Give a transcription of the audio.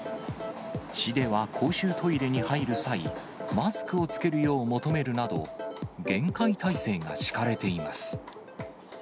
市では公衆トイレに入る際、マスクを着けるよう求めるなど、厳戒態勢が敷かれています。